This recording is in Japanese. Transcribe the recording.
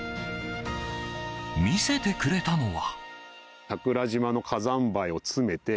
見せてくれたのは。